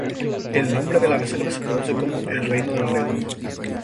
El nombre de la reserva se traduce como "El reino del león".